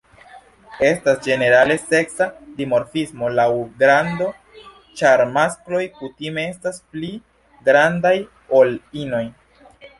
Estas ĝenerale seksa dimorfismo laŭ grando, ĉar maskloj kutime estas pli grandaj ol inoj.